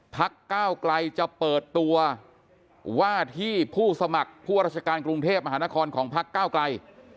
พักก้าวไกลจะเปิดตัวว่าที่ผู้สมัครผู้ราชการกรุงเทพมหานครของพักเก้าไกล